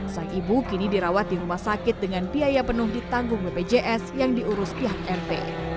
sang ibu kini dirawat di rumah sakit dengan biaya penuh ditanggung bpjs yang diurus pihak rt